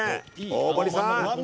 大森さん